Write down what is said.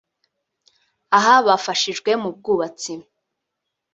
Aha bafashijwe mu bwubatsi